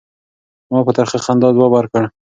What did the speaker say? ما په ترخه خندا ځواب ورکړ.